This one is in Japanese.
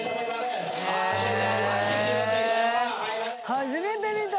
初めて見た。